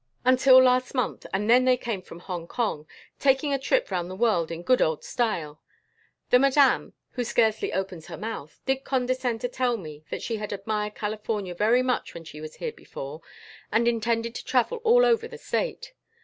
Until last month, and then they came from Hong Kong taking a trip round the world in good old style. The madame, who scarcely opens her month, did condescend to tell me that she had admired California very much when she was here before, and intended to travel all over the state.